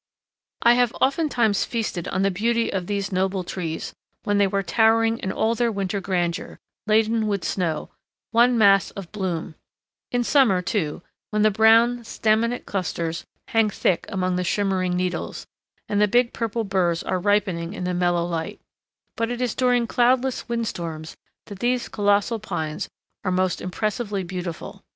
] I have oftentimes feasted on the beauty of these noble trees when they were towering in all their winter grandeur, laden with snow—one mass of bloom; in summer, too, when the brown, staminate clusters hang thick among the shimmering needles, and the big purple burs are ripening in the mellow light; but it is during cloudless wind storms that these colossal pines are most impressively beautiful.